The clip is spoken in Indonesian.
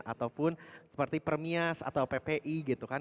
ataupun seperti permias atau ppi gitu kan